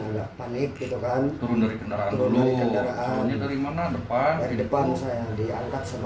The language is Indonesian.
alasan sopir meninggalkan tkp